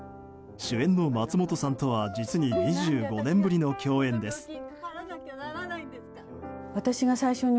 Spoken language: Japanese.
主演の松本さんとは実に２５年ぶりの共演です。